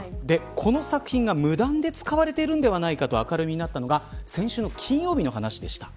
この作品が無断で使われているのではないかと明るみになったのが先週の金曜日の話でした。